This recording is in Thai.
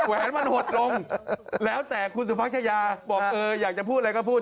แหวนมันหดลงแล้วแต่คุณสุพัชยาบอกเอออยากจะพูดอะไรก็พูด